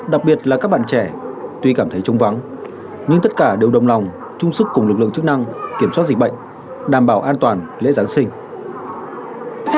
đặc biệt là các bạn trẻ tuy cảm thấy chung vắng nhưng tất cả đều đồng lòng chung sức cùng lực lượng chức năng kiểm soát dịch bệnh đảm bảo an toàn lễ giáng sinh